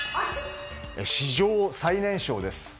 史上最年少です。